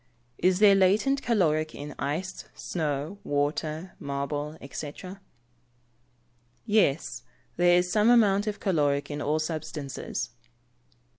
Is there latent caloric in ice, snow, water, marble, &c? Yes; there is some amount of caloric in all substances.